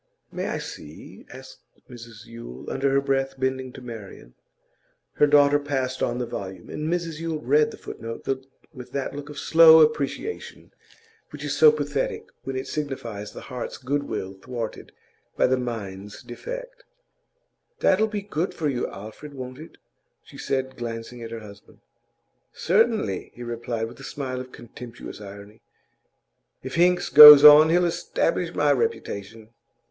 'May I see?' asked Mrs Yule, under her breath, bending to Marian. Her daughter passed on the volume, and Mrs Yule read the footnote with that look of slow apprehension which is so pathetic when it signifies the heart's good will thwarted by the mind's defect. 'That'll be good for you, Alfred, won't it?' she said, glancing at her husband. 'Certainly,' he replied, with a smile of contemptuous irony. 'If Hinks goes on, he'll establish my reputation.